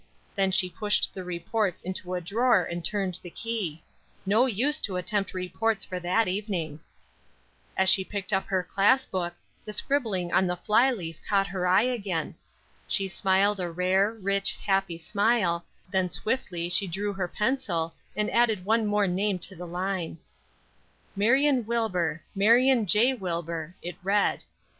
Then she pushed the reports into a drawer and turned the key; no use to attempt reports for that evening. As she picked up her class book, the scribbling on the fly leaf caught her eye again. She smiled a rare, rich, happy smile; then swiftly she drew her pencil and added one more name to the line. "Marion Wilbur Marion J. Wilbur," it read.